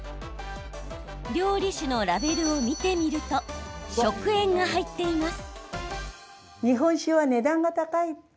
料理酒のラベルを見てみると食塩が入っています。